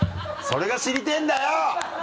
それが知りてぇんだよ！